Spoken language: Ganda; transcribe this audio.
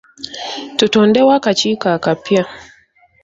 Tutondewo akakiiko akapya.